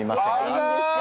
いいんですか？